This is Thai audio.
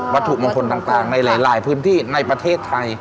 ถูกมงคลต่างในหลายพื้นที่ในประเทศไทย